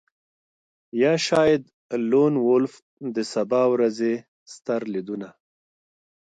یا شاید لون وولف د سبا ورځې ستر لیدونه